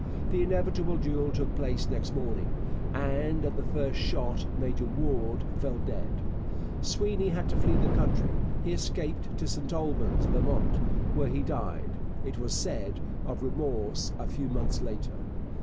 The inevitable duel took place next morning, and at the first shot Major Warde fell dead. Sweeny had to flee the country. He escaped to St Albans, Vermont, where he died, it was said, of remorse a few months later.